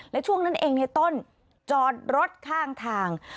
และช่วงนั้นเองในต้นจอดรถข้างทาง